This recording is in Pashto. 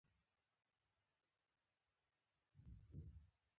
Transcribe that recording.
پدغه حکومت کې د نیکمرغۍ پله هم درنده ده.